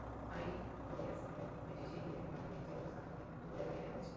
IOS অ্যাপের ক্ষেত্রে সেটি ডানদিকে নিচের অবস্থান থেকে ওপরে বাঁয়ে নেওয়া হয়েছে।